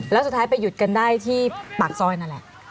แล้วสุดท้ายไปหยุดกันได้ที่ปากซอยนั่นแหละ